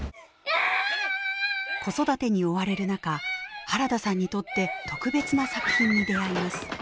子育てに追われる中原田さんにとって特別な作品に出会います。